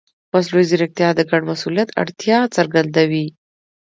مصنوعي ځیرکتیا د ګډ مسؤلیت اړتیا څرګندوي.